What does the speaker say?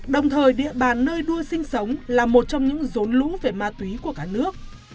đồng thời địa bàn nơi đua sinh sống là một trong những rốn lũ về ma túy của cả nước